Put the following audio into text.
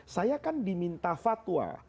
saya kan diminta fatwa